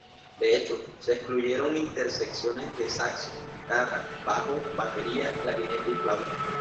De hecho, se incluyeron intersecciones de saxo, guitarra, bajo, batería, clarinete y flauta.